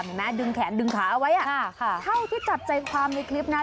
เห็นไหมดึงแขนดึงขาไว้ค่ะค่ะเท่าที่จัดใจความในคลิปนะ